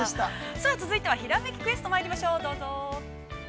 ◆さあ続いては「ひらめきクエスト」まいりましょう、どうぞ。